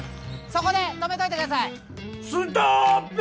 そこで止めといてくださいストーップ！